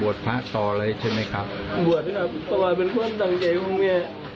บวชนะครับเป็นคนกำลังไยง่องแม่